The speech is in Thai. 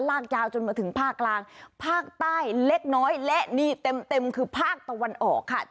ลากยาวจนมาถึงภาคกลางภาคใต้เล็กน้อยและนี่เต็มคือภาคตะวันออกค่ะ